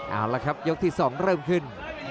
เอาละครับยกที่๒เริ่มขึ้น